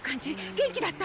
元気だった？